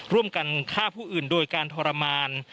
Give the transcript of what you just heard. ร่วมกันฆ่าผู้อื่นโดยการทรมาน